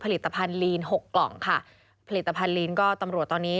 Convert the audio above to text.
ผลิตภัณฑ์ลีนหกกล่องค่ะผลิตภัณฑลีนก็ตำรวจตอนนี้